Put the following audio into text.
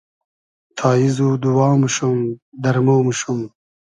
تاییز و دووا موشوم ، دئرمۉ موشوم